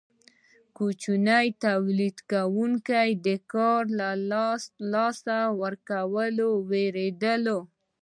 کوچني تولید کوونکي د کار له لاسه ورکولو ویریدل.